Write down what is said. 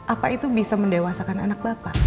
apa itu bisa mendewasakan anak bapak